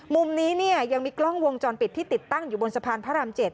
มุมนี้เนี่ยยังมีกล้องวงจรปิดที่ติดตั้งอยู่บนสะพานพระราม๗